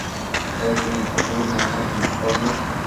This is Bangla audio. হেই, ফিঞ্চ, এগুলো মনেহয় তোর সাইজের।